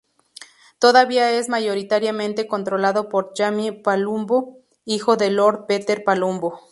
Todavía es mayoritariamente controlado por Jamie Palumbo, hijo del Lord Peter Palumbo.